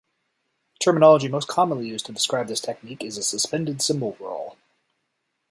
The terminology most commonly used to describe this technique is a suspended cymbal roll.